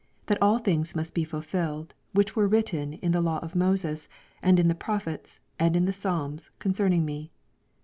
that all things must be fulfilled. woLch were written in the Law of Moses, and m ,the Prophets, and in the Psalms, oon ceming me.